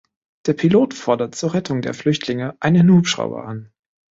Der Pilot fordert zur Rettung der Flüchtlinge einen Hubschrauber an.